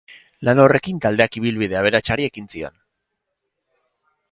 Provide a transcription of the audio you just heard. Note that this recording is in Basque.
Lan horrekin taldeak ibilbide aberatsari ekin zion.